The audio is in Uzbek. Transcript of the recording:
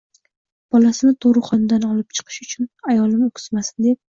bolasini tug‘ruqxonadan olib chiqish uchun ayolim o‘ksimasin deb